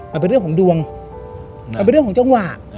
มันเป็นเรื่องของดวงมันเป็นเรื่องของจังหวะ